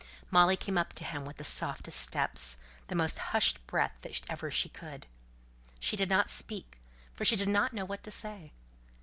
Molly came up to him with the softest steps, the most hushed breath that ever she could. She did not speak, for she did not know what to say.